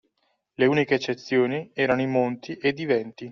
Le uniche eccezioni erano i Monti ed i Venti